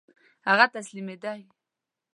هغه تسلیمېدی.